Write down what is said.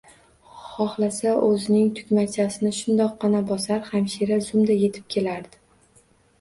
Xohlasa, oʻzining tugmachasini shundoqqina bosar, hamshira zumda yetib kelardi